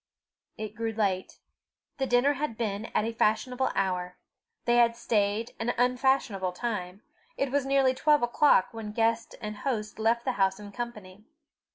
It grew late. The dinner had been at a fashionable hour; they had stayed an unfashionable time: it was nearly twelve o'clock when guests and host left the house in company.